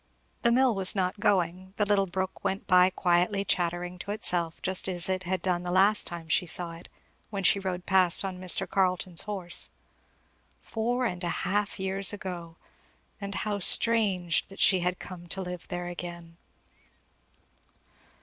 The mill was not going; the little brook went by quietly chattering to itself, just as it had done the last time she saw it, when she rode past on Mr. Carleton's horse. Four and a half years ago! And now how strange that she had come to live there again.